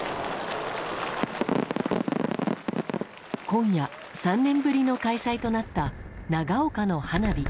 今夜、３年ぶりの開催となった長岡の花火。